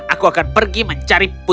aku akan pergi mencari